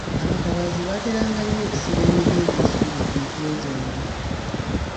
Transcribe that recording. Abatabaazi baateranga nnyo okusiba emige egy'essubi ku mitwe gyabwe.